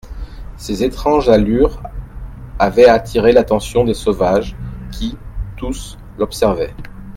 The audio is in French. Ses étranges allures avaient attiré l'attention des sauvages, qui, tous, l'observaient.